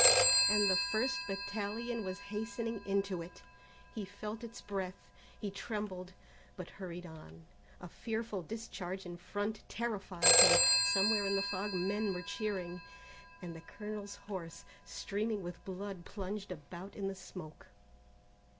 and the first battalion was hastening into it. He felt its breath, he trembled, but hurried on. A fearful discharge in front terrified him. Somewhere in the fog men were cheering, and the colonel's horse, streaming with blood plunged about in the smoke.